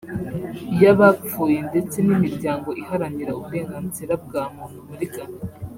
iy’abapfuye ndetse n’imiryango iharanira uburenganzira bwa muntu muri Ghana